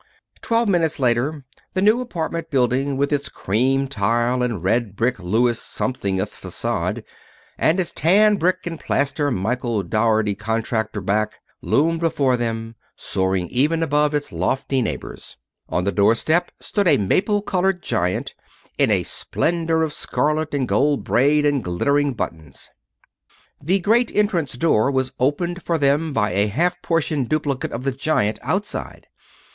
Twelve minutes later the new apartment building, with its cream tile and red brick Louis Somethingth facade, and its tan brick and plaster Michael Dougherty contractor back, loomed before them, soaring even above its lofty neighbors. On the door step stood a maple colored giant in a splendor of scarlet, and gold braid, and glittering buttons. The great entrance door was opened for them by a half portion duplicate of the giant outside.